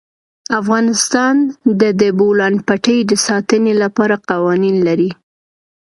افغانستان د د بولان پټي د ساتنې لپاره قوانین لري.